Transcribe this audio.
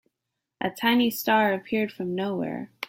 A tiny star appeared from nowhere.